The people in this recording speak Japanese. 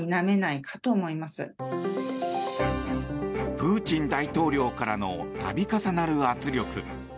プーチン大統領からの度重なる圧力。